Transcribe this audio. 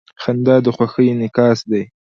• خندا د خوښۍ انعکاس دی.